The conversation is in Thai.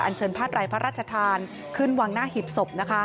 อัลเชินภาษาไหล่พระราชฑัทานขึ้นวางหน้าหิบศพ